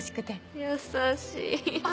優しい。